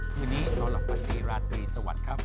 คืนนี้นอนหลับฝันดีราตรีสวัสดีครับ